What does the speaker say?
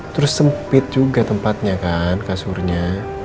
terus sempit juga tempatnya kan kasurnya